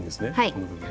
この部分。